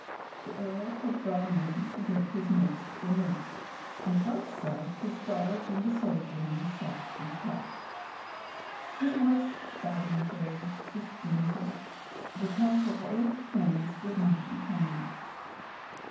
The Earl had gone in to get his mixed Ver mouth, and outside his daughter and the soldier man sat and talked. It was fragmentary, disjointed — the talk of old friends with much in common.